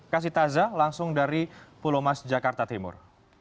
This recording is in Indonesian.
kasih taza langsung dari pulau mas jakarta timur